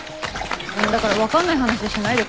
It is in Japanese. だから分かんない話しないでくれる？